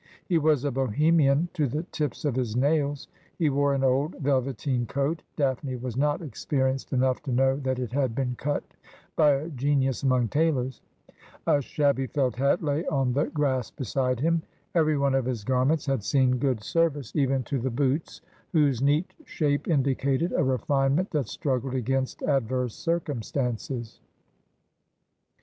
He was a Bohemian to the tips of his nails. He wore an old velveteen coat — Daphne was not experienced enough to know that it had been cut by a genius among tailors — a shabby felt hat lay on the grass beside him ; every one of his garments had seen good ser vice, even to the boots, whose neat shape indicated a refinement that struggled against adverse circumstances.